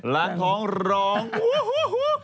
ล้างท้องร้องวู้